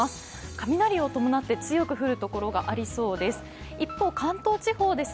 雷を伴って強く降る所がありそうです。